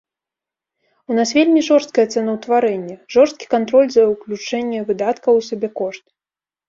У нас вельмі жорсткае цэнаўтварэнне, жорсткі кантроль за ўключэнне выдаткаў у сабекошт.